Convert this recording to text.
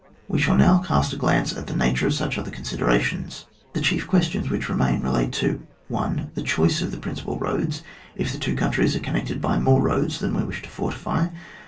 We shall now cast a glance at the nature of such other considerations. The chief questions which remain re late to — 1 . The choice of the principal roads, if the two countries are connected by more roads than we wish to fortily.